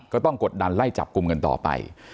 ก็ต้องกดดันไล่จับกรุมกันต่อไป